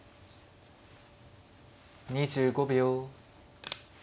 ２５秒。